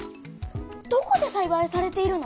どこでさいばいされているの？